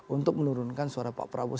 untuk menurunkan suara pak prabowo